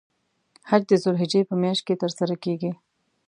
حج د ذوالحجې په میاشت کې تر سره کیږی.